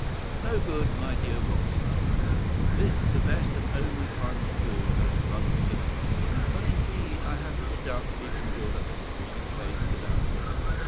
"No good, my dear Watson. This, the best and only final clue, has run to nothing. But, indeed, I have little doubt that we can build up a sufficient case without it.